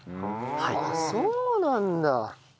あっそうなんだ。